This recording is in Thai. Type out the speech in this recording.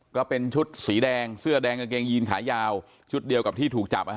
ก็เป็นชุดสีแดงเสื้อแดงกางเกงยีนขายาวชุดเดียวกับที่ถูกจับ